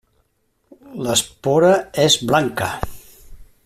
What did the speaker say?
L'espora és blanca.